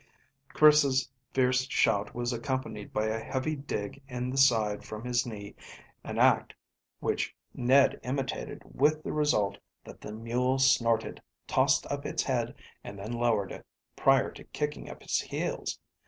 Chris's fierce shout was accompanied by a heavy dig in the side from his knee, an act which Ned imitated with the result that the mule snorted, tossed up its head, and then lowered it, prior to kicking up its heels.